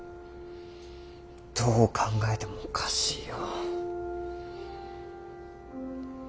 どう考えてもおかしいよ。